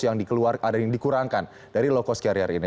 yang dikeluarkan ada yang dikurangkan dari low cost carrier ini